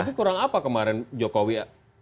tapi kurang apa kemarin jokowi